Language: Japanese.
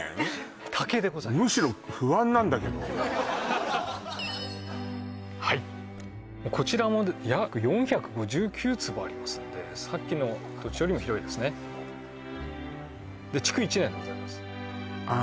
竹でございますむしろ不安なんだけどはいこちらも約４５９坪ありますんでさっきの土地よりも広いですねで築１年でございますあ